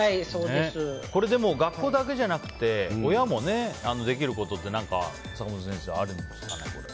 学校だけじゃなくて親もできることって坂本先生何かあるんですかね。